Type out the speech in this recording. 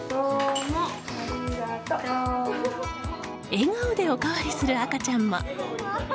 笑顔でお代わりする赤ちゃんも。